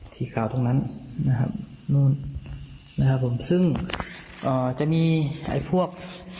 สีขาวตรงนั้นนะครับนู่นนะครับผมซึ่งเอ่อจะมีไอ้พวก